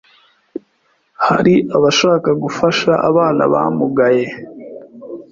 hari abashaka gufasha abana bamugaye